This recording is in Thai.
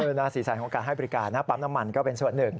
นะสีสันของการให้บริการนะปั๊มน้ำมันก็เป็นส่วนหนึ่ง